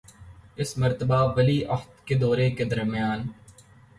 اس مرتبہ ولی عہد کے دورہ کے دوران